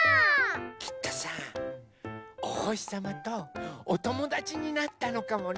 きっとさおほしさまとおともだちになったのかもね。